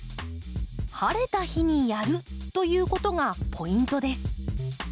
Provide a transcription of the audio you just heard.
晴れた日にやるということがポイントです。